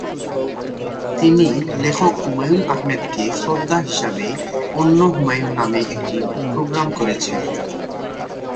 তিনি লেখক হুমায়ুন আহমেদকে শ্রদ্ধা হিসাবে "অন্য হুমায়ূন" নামে একটি প্রোগ্রাম করেছেন।